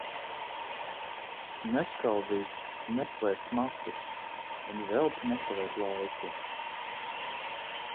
Neskaldīt, neplēst matus un velti nekavēt laiku.